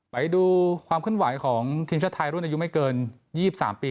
ไปดูความเคลื่อนไหวของทีมชาติไทยรุ่นอายุไม่เกิน๒๓ปี